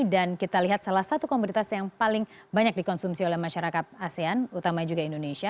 dan kita lihat salah satu kompetitas yang paling banyak dikonsumsi oleh masyarakat asean utamanya juga indonesia